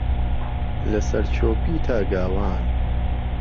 لەسەرچۆپی تا گاوان